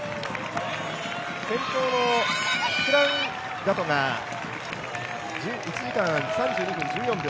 先頭のキプランガトが１時間３２分１４秒。